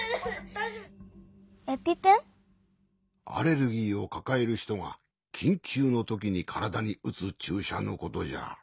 アレルギーをかかえるひとがきんきゅうのときにからだにうつちゅうしゃのことじゃ。